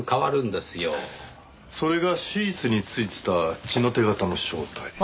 それがシーツに付いてた血の手形の正体。